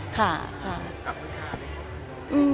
ใช่ใช่